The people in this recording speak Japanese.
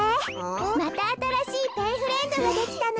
またあたらしいペンフレンドができたの。